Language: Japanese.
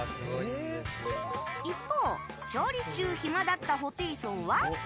一方、調理中暇だったホテイソンは。